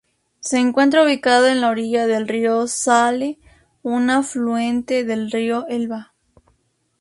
Se encuentra ubicado a la orilla del río Saale, un afluente del río Elba.